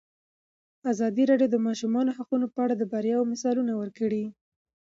ازادي راډیو د د ماشومانو حقونه په اړه د بریاوو مثالونه ورکړي.